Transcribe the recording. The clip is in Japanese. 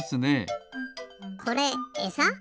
これエサ？